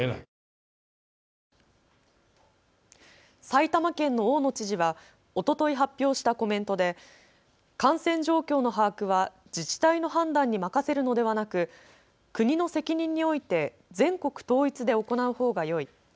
埼玉県の大野知事はおととい発表したコメントで、感染状況の把握は自治体の判断に任せるのではなく国の責任において全国統一で行うほうがよい。